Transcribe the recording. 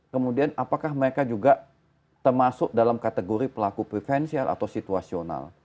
kemudian apakah mereka juga termasuk dalam kategori pelaku prevensial atau situasional